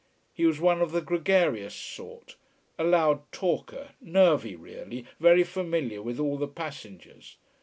He was one of the gregarious sort, a loud talker, nervy really, very familiar with all the passengers.